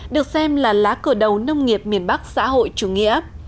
được xem là lá cờ đầu nông nghiệp miền bắc xã hội chủ nghĩa